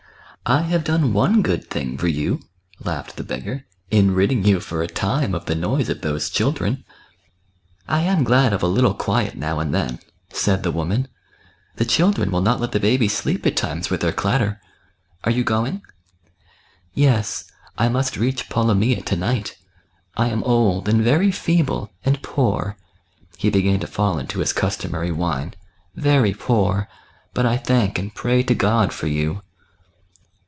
" I have done one good thing for you," laughed the beggar, " in ridding you, for a time, of the noise of those children." " I am glad of a little quiet now and then," said the 16—2 244 THE BOOK OF WERE WOLVES. woman; "the children will not let the baby sleep at times with their clatter. Are you going ?"" Yes ; I must reach Polomyja to night. I am old and very feeble, and poor '*— he began to fall into his customary whine —" very poor, but I thank and pray to God for you."